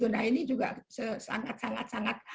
nah ini juga sangat sangat sangat